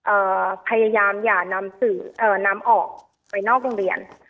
พยายามอย่านำสื่อเอ่อนำออกไปนอกโรงเรียน